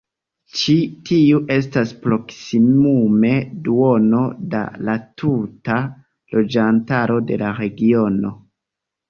Ĉi tiu estas proksimume duono da la tuta loĝantaro de la regiono.